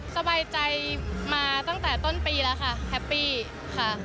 สบายใจมาตั้งแต่ต้นปีแล้วค่ะแฮปปี้ค่ะ